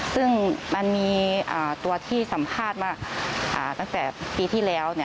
ซึ่งมันมีตัวที่สัมภาษณ์ว่าตั้งแต่ปีที่แล้ว